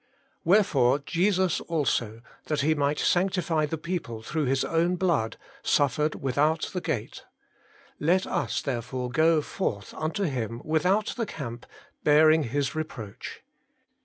'Wherefore Jesus also, that He might sanctify the people through His own blood, suffered without the gate. Let us therefore go forth unto Him without the camp, bearing His reproach.'